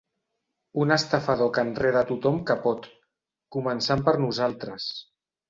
Un estafador que enreda tothom que pot, començant per nosaltres.